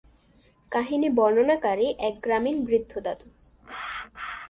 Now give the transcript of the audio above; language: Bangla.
কাহিনী বর্ণনাকারী এক গ্রামীণ বৃদ্ধ দাদু।